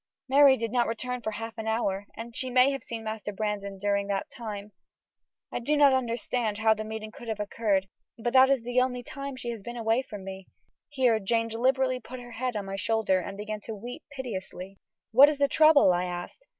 Mary did not return for half an hour, and she may have seen Master Brandon during that time. I do not understand how the meeting could have occurred, but that is the only time she has been away from me." Here Jane deliberately put her head on my shoulder and began to weep piteously. "What is the trouble?" I asked.